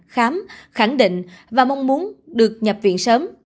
khám khẳng định và mong muốn được nhập viện sớm